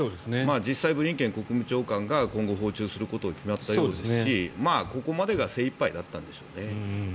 実際、ブリンケン国務長官が今後、訪中することが決まったようですしここまでが精いっぱいだったんでしょうね。